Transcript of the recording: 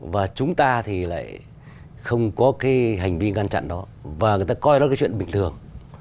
và chúng ta thì lại không có cái hành vi ngăn chặn đó và người ta coi đó cái chuyện bình thường